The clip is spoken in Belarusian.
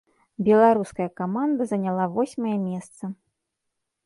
Беларуская каманда заняла восьмае месца.